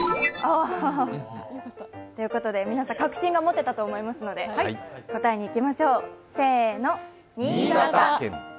ということで皆さん、確信が持てたと思いますので答えにいきましょう。